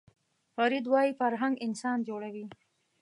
فروید وايي فرهنګ انسان جوړوي